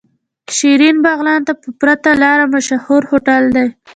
شيرين بغلان ته په پرته لاره مشهور هوټل دی.